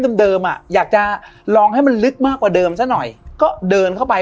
เดิมอ่ะอยากจะลองให้มันลึกมากกว่าเดิมซะหน่อยก็เดินเข้าไป